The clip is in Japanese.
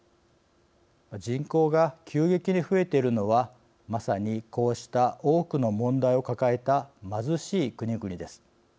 人口が急激に増えているのはまさに、こうした多くの問題を抱えた貧しい国々です。